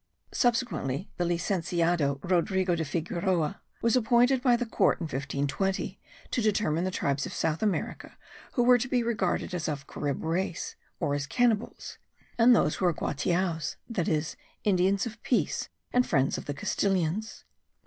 Subsequently the licenciado Rodrigo de Figueroa was appointed by the court, in 1520, to determine the tribes of South America, who were to be regarded as of Carib race, or as cannibals; and those who were Guatiaos,* that is, Indians of peace, and friends of the Castilians.